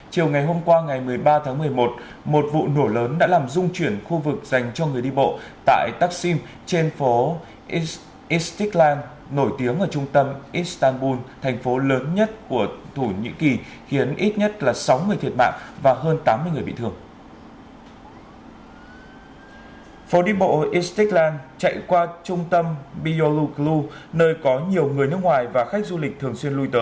chiều ngày hôm qua ngày một mươi ba tháng một mươi một một vụ nổ lớn đã làm dung chuyển khu vực dành cho người đi bộ tại taksim trên phố istiklal nổi tiếng ở trung tâm istanbul thành phố lớn nhất của thủ nhĩ kỳ khiến ít nhất sáu người thiệt mạng và hơn tám mươi người bị thương